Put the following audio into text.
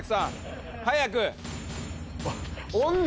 早く。